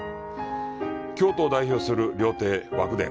京都を代表する料亭、和久傳。